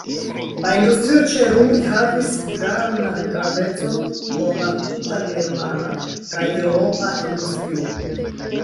La industrio ĉe Ruhr havis grandan gravecon por la tuta germana kaj eŭropa industrio.